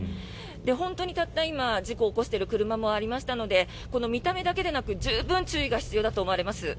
本当にたった今事故を起こしている車もありましたのでこの見た目だけでなく十分注意が必要だと思われます。